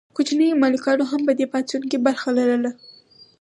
کوچنیو مالکانو هم په دې پاڅون کې برخه لرله.